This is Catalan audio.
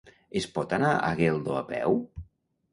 Es pot anar a Geldo a peu?